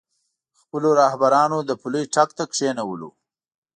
خپلو رهبرانو د پولۍ ټک ته کېنولو.